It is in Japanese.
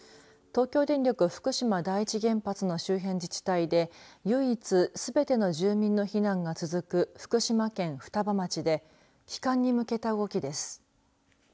東京電力福島第一原発の周辺自治体で唯一すべての住民の避難が続く福島県双葉町で帰還に向けた動きです。